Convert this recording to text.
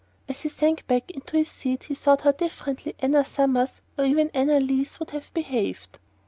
As he sank back into his seat he thought how differently Anna Summers or even Anna Leath would have behaved.